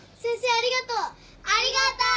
ありがとう！